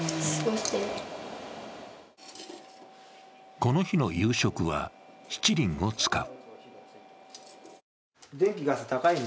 この日の夕食はしちりんを使う。